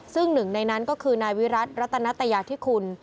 ซึ่งหนึ่งในนั้นก็คือนายวิรัติรัตนัตยาธิคุณ